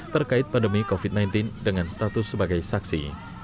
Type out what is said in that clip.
terkait pandemi covid sembilan belas dengan status sebagai saksi